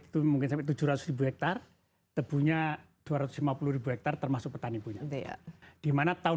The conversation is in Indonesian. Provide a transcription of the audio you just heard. itu mungkin sampai tujuh ratus hektar tebunya dua ratus lima puluh hektar termasuk petani punya dia dimana tahun